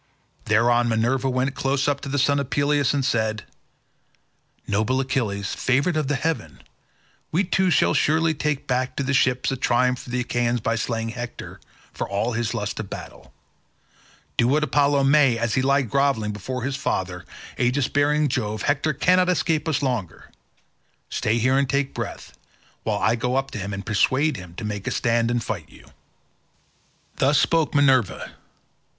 Thereon Minerva went close up to the son of Peleus and said, "Noble Achilles, favoured of heaven, we two shall surely take back to the ships a triumph for the Achaeans by slaying Hector, for all his lust of battle. Do what Apollo may as he lies grovelling before his father, aegis bearing Jove, Hector cannot escape us longer. Stay here and take breath, while I go up to him and persuade him to make a stand and fight you." Thus spoke Minerva.